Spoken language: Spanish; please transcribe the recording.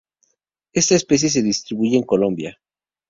Esta especie se distribuye en Colombia.